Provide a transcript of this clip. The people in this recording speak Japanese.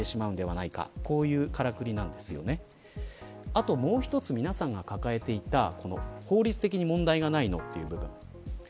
あと、もう一つ皆さんが抱えていた法律的に問題がないのかという部分。